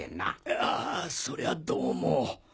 いやそりゃどうも。